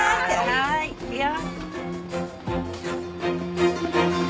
はい行くよ。